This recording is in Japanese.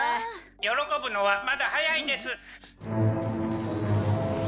喜ぶのはまだ早いです。